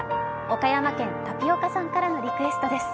岡山県、たぴおかさんからのリクエストです。